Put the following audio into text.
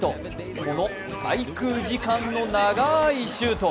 この滞空時間の長いシュート。